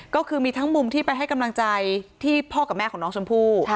ก็คือมีทั้งมุมที่ไปให้กำลังใจที่พ่อกับแม่ของน้องชมพู่